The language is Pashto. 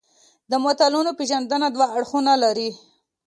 د متلونو پېژندنه دوه اړخونه لري